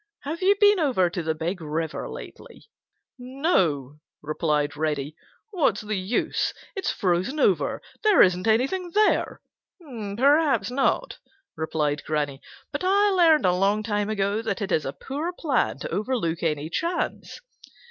Have you been over to the Big River lately?" "No," replied Reddy. "What's the use? It's frozen over. There isn't anything there." "Perhaps not," replied Granny, "but I learned a long time ago that it is a poor plan to overlook any chance.